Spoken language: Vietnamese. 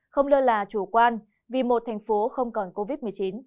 không lơ là chủ quan vì một thành phố không còn covid một mươi chín